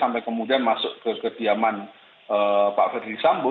sampai kemudian masuk ke kediaman pak ferdinand isambo